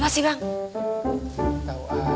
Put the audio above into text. tidak mengatur kesan